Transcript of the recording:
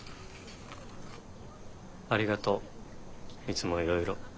ありがとういつもいろいろ。